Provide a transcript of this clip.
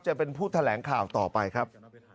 จะเป็นผู้แถลงข่าวต่อไปครับ